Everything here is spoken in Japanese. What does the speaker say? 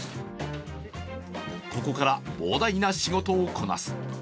ここから膨大な仕事をこなす。